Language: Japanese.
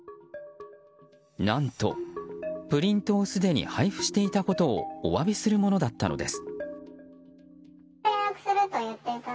何と、プリントをすでに配布していたことをお詫びするものだったのです。